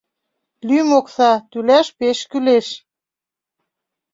Лӱм окса, тӱлаш пеш кӱлеш.